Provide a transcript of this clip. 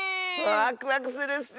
ワクワクするッス！